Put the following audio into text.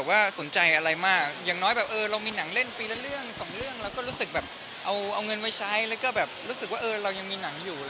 ว่าสนใจอะไรมากอย่างน้อยแบบเออเรามีหนังเล่นปีละเรื่องสองเรื่องเราก็รู้สึกแบบเอาเงินไว้ใช้แล้วก็แบบรู้สึกว่าเออเรายังมีหนังอยู่